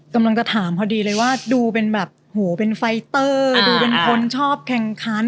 กำลังจะถามพอดีเลยว่าดูเป็นแบบโหเป็นไฟเตอร์ดูเป็นคนชอบแข่งขัน